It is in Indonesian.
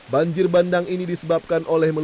banjir bandang ini diselenggarakan oleh badan pom